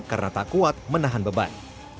karena tak kuat menahan beban